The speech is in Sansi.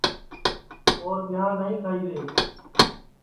اور ٻیاں نائی کھائی رے